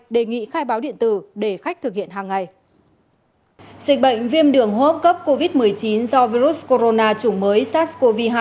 dịch bệnh viêm đường hốp cấp covid một mươi chín do virus corona chủng mới sars cov hai